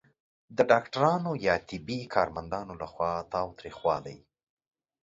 د ډاکټرانو یا طبي کارمندانو لخوا تاوتریخوالی